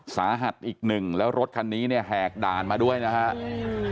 สาหัสอีกหนึ่งแล้วรถคันนี้เนี่ยแหกด่านมาด้วยนะครับ